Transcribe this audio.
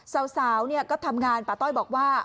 สาวก็ทำงานป่าต้อยบอกว่า